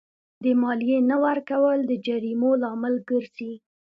د مالیې نه ورکول د جریمو لامل ګرځي.